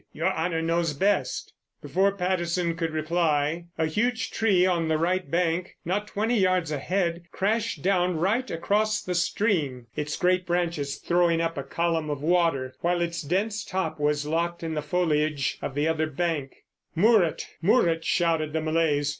"Your honour knows best." Before Patterson could reply a huge tree on the right bank, not twenty yards ahead, crashed down right across the stream, its great branches throwing up a column of water, while its dense top was locked in the foliage of the other bank. "Murut! Murut!" shouted the Malays.